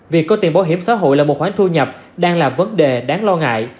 việc có tiền bảo hiểm xã hội là một khoản thu nhập đang là vấn đề đáng lo ngại